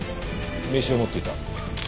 名刺を持っていた。